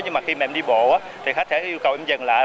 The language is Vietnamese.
nhưng mà khi mà em đi bộ thì khách sẽ yêu cầu em dừng lại